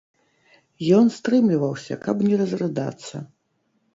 Ён стрымліваўся, каб не разрыдацца.